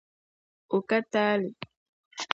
o ka taali